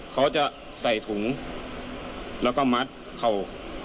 เขาจะใส่ถุงแล้วก็มัดเข่า